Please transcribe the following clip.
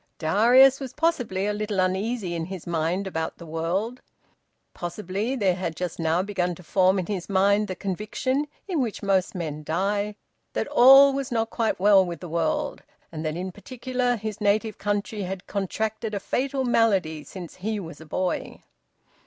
Darius was possibly a little uneasy in his mind about the world. Possibly there had just now begun to form in his mind the conviction, in which most men die, that all was not quite well with the world, and that in particular his native country had contracted a fatal malady since he was a boy.